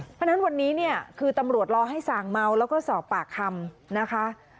เพราะฉะนั้นวันนี้เนี่ยคือตำรวจรอให้สั่งเมาแล้วก็สอบปากคำนะคะ